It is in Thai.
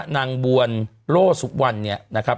นางบวนโลสุวรรณเนี่ยนะครับ